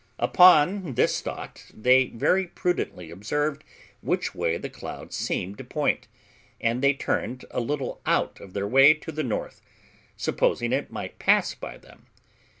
Upon this thought, they very prudently observed which way the cloud seemed to point, and they turned a little out of their way to the north, supposing it might pass by them.